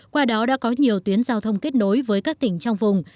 qua đó đã có nhiều tuyến giao thông kết nối với các tỉnh trong vùng